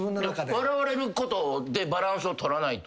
笑われることでバランスをとらないと。